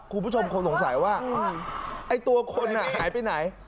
คุณผู้ชมคงสงสัยว่าไอ้ตัวคนหายไปไหน